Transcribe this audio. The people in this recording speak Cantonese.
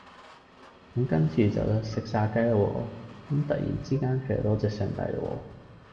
咁跟住就食炸雞啦喎，咁突然之間佢又多謝上帝啦喎